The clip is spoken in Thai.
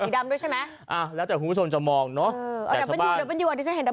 ดำดูใช่ไหมมาหน่วง